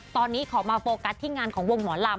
ตอนนี้ขอมาโฟกัสที่งานของวงหมอลำ